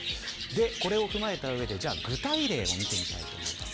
これを踏まえた上で具体例を見ていきます。